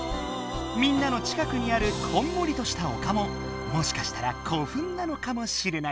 みんなの近くにあるこんもりとしたおかももしかしたら古墳なのかもしれない。